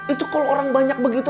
itu kalau orang banyak begitu